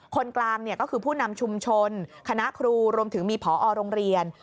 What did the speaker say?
คนกลางก็คือผู้นำชุมชนคณะครูรวมถึงมีผอโรงเรียน